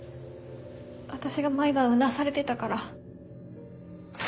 私が毎晩うなされてたから。